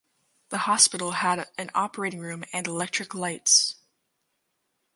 The hospital had an operating room and electric lights.